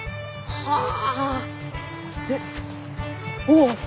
はあ。